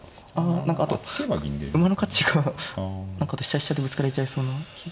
何かあと馬の価値が飛車飛車でぶつかられちゃいそうな気が。